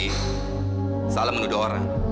tidak bisa menuduh orang